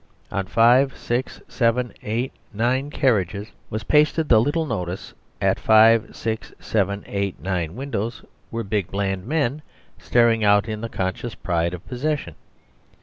On five, six, seven, eight, nine carriages was pasted the little notice: at five, six, seven, eight, nine windows were big bland men staring out in the conscious pride of possession.